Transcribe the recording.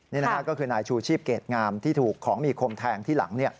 นี่นะฮะก็คือนายชูชีพเกรดงามที่ถูกของมีคมแทงที่หลัง